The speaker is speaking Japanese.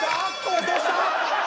落とした！